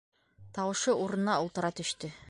Тауышы урынына ултыра төштө.